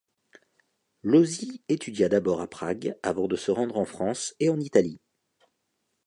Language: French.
Losy étudia d'abord à Prague avant de se rendre en France et en Italie.